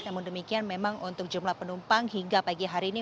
namun demikian memang untuk jumlah penumpang hingga pagi hari ini